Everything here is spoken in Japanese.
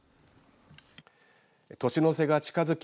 年の瀬が近づき